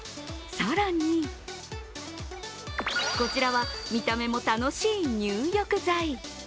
更に、こちらは見た目も楽しい入浴剤。